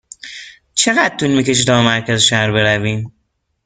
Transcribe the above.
چقدر طول می کشد تا به مرکز شهر برویم؟